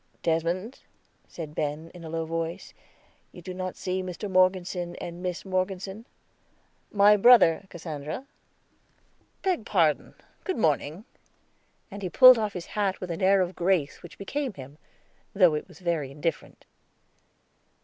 "Desmond," said Ben in a low voice, "you do not see Mr. Morgeson and Miss Morgeson. My brother, Cassandra." "Beg pardon, good morning"; and he pulled off his hat with an air of grace which became him, though it was very indifferent.